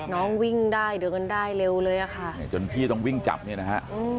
น้องวิ่งได้เดินได้เร็วเลยอะค่ะจนพี่ต้องวิ่งจับเนี่ยนะฮะ